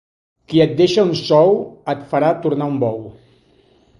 Qui et deixa un sou et farà tornar un bou.